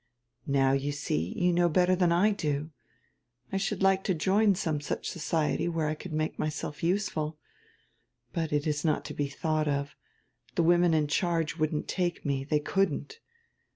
"Now you see, you know hetter than I do. I should like to join some such society where I can make myself useful. But it is not to he thought of. The women in charge wouldn't take me, they couldn't.